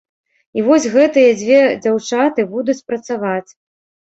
І вось гэтыя дзве дзяўчаты будуць працаваць.